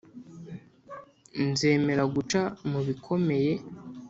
nzemera guca mu bikomeye